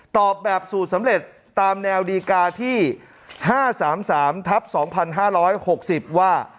ตอบแบบสูตรสำเร็จตามแนวดีกาที่๕๓๓ทับ๒๕๖๐ว่า